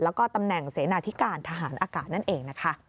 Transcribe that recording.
แล้วก็ตำแหน่งเสนาธิการทหารอากาศนั่นเองนะคะ